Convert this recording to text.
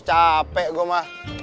capek gue mah